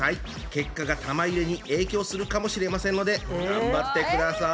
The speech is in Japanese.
結果が玉入れに影響するかもしれませんので頑張ってください！